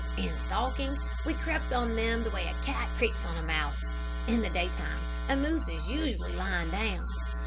"In stalking, we crept on them the way a cat creeps on a mouse. In the daytime a moose is usually lying down.